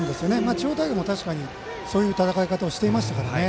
地方大会でも、確かにそういう戦いをしていましたね。